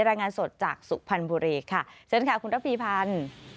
รายงานสดจากสุพรรณบุรีค่ะเชิญค่ะคุณระพีพันธ์